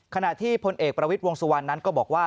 ขณะที่พลเอกประวิทย์วงสุวรรณนั้นก็บอกว่า